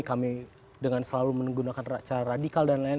kami dengan selalu menggunakan cara radikal dan lain lain